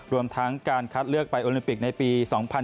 รวมทั้งการคัดเลือกไปโอลิมปิกในปี๒๐๑๖